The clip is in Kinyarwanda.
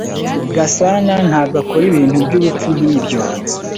Gasana ntabwo akora ibintu byubupfu nkibyo.